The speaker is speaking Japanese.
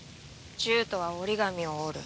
獣人は折り紙を折る。